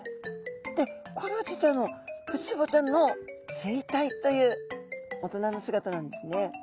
でこれは実はあのフジツボちゃんの成体という大人の姿なんですね。